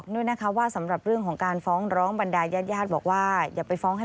ด้วยนะคะว่าสำหรับเรื่องของการฟ้องร้องบรรดายาดบอกว่าอย่าไปฟ้องให้